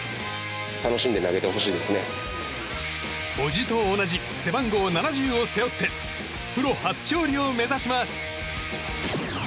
叔父と同じ背番号７０を背負ってプロ初勝利を目指します！